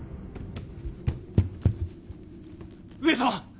上様！